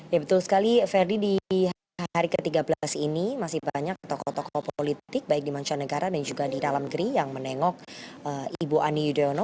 ya betul sekali ferdi di hari ke tiga belas ini masih banyak tokoh tokoh politik baik di mancanegara dan juga di dalam negeri yang menengok ibu ani yudhoyono